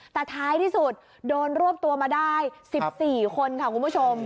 แต่ท้ายที่สุดโดนรวบตัวมาได้๑๔คนค่ะคุณผู้ชม